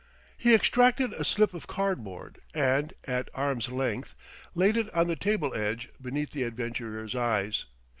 He extracted a slip of cardboard and, at arm's length, laid it on the table edge beneath the adventurer's eyes.